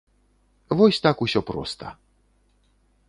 Вось так усё проста!